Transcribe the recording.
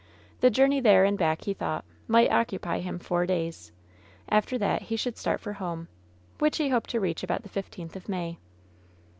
The journey there and back, he thought, might occupy him four days. After that he should start for home, which he hoped to reach about the fifteenth of May.